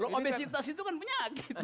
obesitas itu kan penyakit